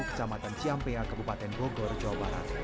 kecamatan ciampea kabupaten bogor jawa barat